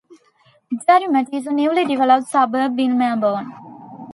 Derrimut is a newly developed suburb in Melbourne.